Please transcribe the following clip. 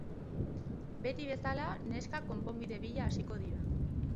Beti bezala, neskak konponbide bila hasiko dira.